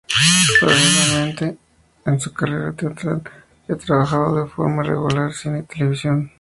Paralelamente a su carrera teatral, ha trabajado de forma regular en cine y televisión.